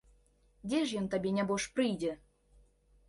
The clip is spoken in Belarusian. Дзе ж ён табе, нябож, прыйдзе!